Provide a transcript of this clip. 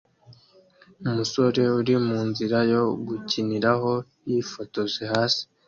Umusore uri munzira yo gukiniraho yifotoje hasi